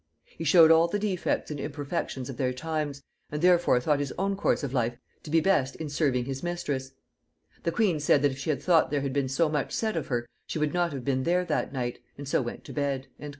He showed all the defects and imperfections of their times, and therefore thought his own course of life to be best in serving his mistress.... The queen said that if she had thought there had been so much said of her, she would not have been there that night; and so went to bed."